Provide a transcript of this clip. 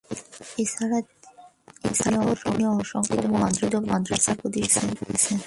এছাড়াও তিনি অসংখ্য মসজিদ ও মাদ্রাসা প্রতিষ্ঠা করেছেন।